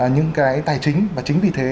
những cái tài chính và chính vì thế